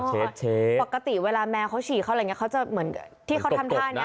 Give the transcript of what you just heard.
เขาจะเขาเรียกว่าอะไรนะตัวขุดดินน่ะ